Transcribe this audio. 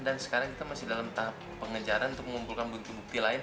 dan sekarang kita masih dalam tahap pengejaran untuk mengumpulkan bukti bukti lain